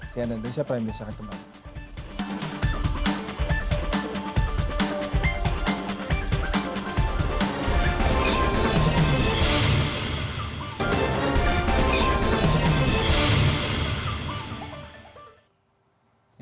cnn indonesia prime news akan kembali